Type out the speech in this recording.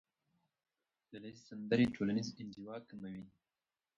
ډلهییزې سندرې ټولنیزه انزوا کموي.